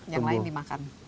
yang lain dimakan